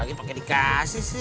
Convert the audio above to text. lagi pake dikasih sih